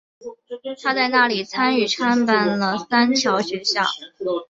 她在那里参与创办了三桥学校。